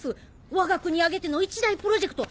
わが国挙げての一大プロジェクト！